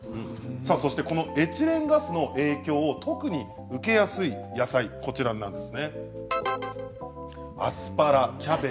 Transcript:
さあそしてこのエチレンガスの影響を特に受けやすい野菜こちらなんですね。